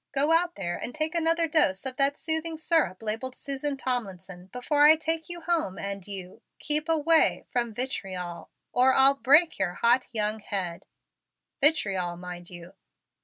Go out there and take another dose of that soothing syrup labeled Susan Tomlinson, before I take you home, and you keep away from vitriol or I'll break your hot young head. Vitriol, mind you!"